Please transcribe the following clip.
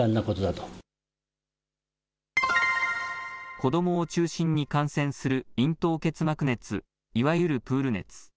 子どもを中心に感染する咽頭結膜熱、いわゆるプール熱。